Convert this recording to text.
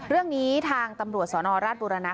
เรื่องนี้ทางตำรวจสนราชบุรณะ